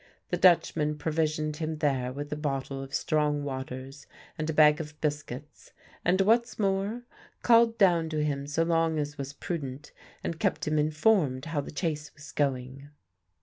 The Dutchman provisioned him there with a bottle of strong waters and a bag of biscuits, and what's more called down to him so long as was prudent and kept him informed how the chase was going.